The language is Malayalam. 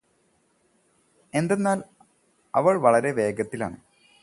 എന്താന്നാൽ അവൾ വളരെ വേഗത്തിലാണ്